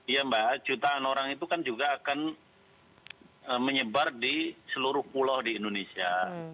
ya mbak jutaan orang itu kan juga akan menyebar di seluruh pulau di indonesia